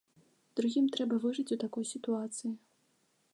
Другім трэба выжыць у такой сітуацыі.